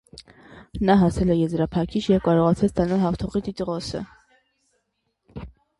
Նա հասել է եզրափակիչ և կարողացել ստանալ հաղթողի տիտղոսը։